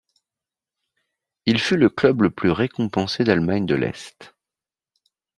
Il fut le club le plus récompensé d’Allemagne de l'Est.